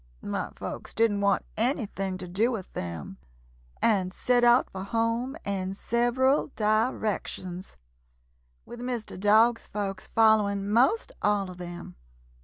My folks didn't want anything to do with them, and set out for home in several directions, with Mr. Dog's folks following most all of them.